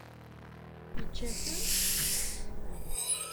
Yečča-ten?